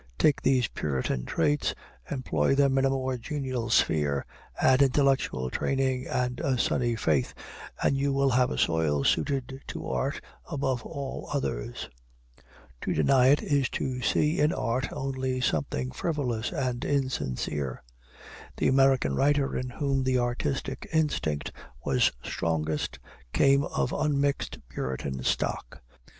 Take these Puritan traits, employ them in a more genial sphere, add intellectual training and a sunny faith, and you have a soil suited to art above all others. To deny it is to see in art only something frivolous and insincere. The American writer in whom the artistic instinct was strongest came of unmixed Puritan stock.